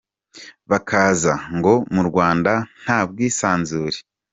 Bakaza ngo mu Rwanda, nta bwisanzure.